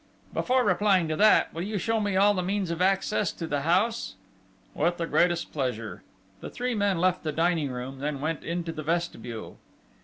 "Before replying to that, will you show me all the means of access to the house?" "With the greatest pleasure." The three men left the dining room: then went into the vestibule.